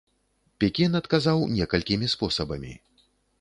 Пекін адказаў некалькімі спосабамі.